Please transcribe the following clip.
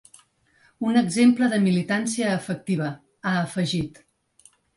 Un ‘exemple de militància efectiva’, ha afegit.